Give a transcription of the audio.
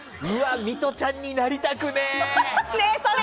ミトちゃんになりたくねえ。